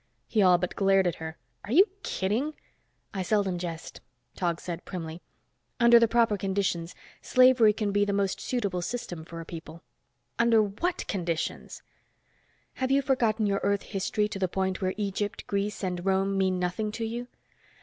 He all but glared at her. "Are you kidding?" "I seldom jest," Tog said primly. "Under the proper conditions, slavery can be the most suitable system for a people." "Under what conditions!" "Have you forgotten your Earth history to the point where Egypt, Greece and Rome mean nothing to you?